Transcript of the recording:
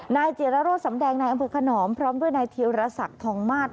นายเจรโรสสำแดงนายอำเภอขนอมพร้อมด้วยนายธิวรสักธรรมมาตร